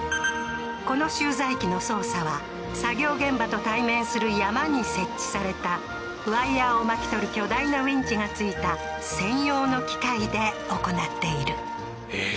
この集材機の操作は作業現場と対面する山に設置されたワイヤーを巻き取る巨大なウィンチがついた専用の機械で行っているえっ